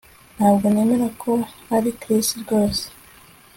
Ntabwo nemera ko ari Chris rwose